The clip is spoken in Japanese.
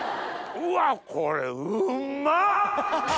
うわっこれうんま！